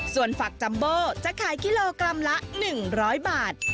ส่วนฝักจัมโบจะขายกิโลกรัมละ๑๐๐บาท